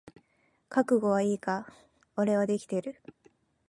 覚悟はいいか？俺はできてる。